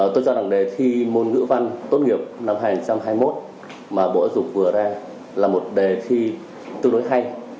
tôi cho rằng đề thi môn ngữ văn tốt nghiệp năm hai nghìn hai mươi một mà bộ giáo dục vừa ra là một đề thi tương đối hay